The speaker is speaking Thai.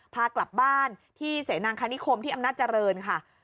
พากลับบ้านที่เสนางคณิคมที่อำนาจเจริญค่ะ